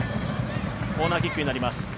コーナーキックになります。